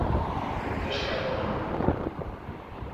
The Skeleton